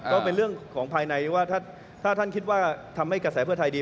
ก็เป็นเรื่องของภายในว่าถ้าท่านคิดว่าทำให้กระแสเพื่อไทยดี